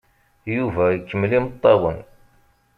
Yuba ikemmel imeṭṭawen.